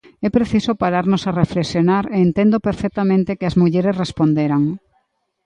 É preciso pararnos a reflexionar e entendo perfectamente que as mulleres responderan.